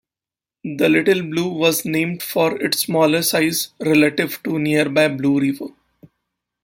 The Little Blue was named for its smaller size relative to nearby Blue River.